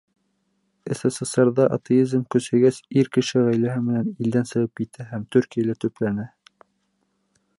СССР-ҙа атеизм көсәйгәс ир кеше ғаиләһе менән илдән сығып китә һәм Төркиәлә төпләнә.